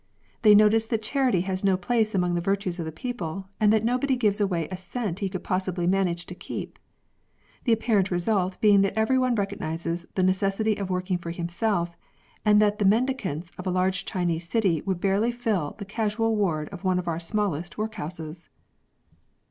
They notice that charity has no place among the virtues of the people, and that nobody gives away a cent he could possibly manage to keep ; the apparent result being that every one recognises the necessity of working for himself, and that the mendicants of a large Chinese city would barely fill the casual ward of one of our smallest workhouses.